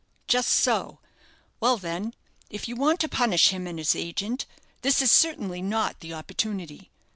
"Just so. Well, then, if you want to punish him and his agent, this is certainly not the opportunity.